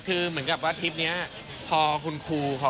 แบบนี้คุณก็มีเชียร์บ้างนะครับ